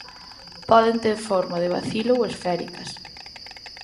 Poden ter forma de bacilo ou esféricas.